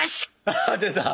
あっ出た！